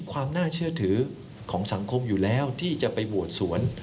ของสังคมอยู่แล้วที่จะไปหวดสวน